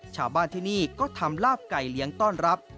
ชาวบ้านที่นี่ก็ทำลาบไก่เลี้ยงต้อนรับ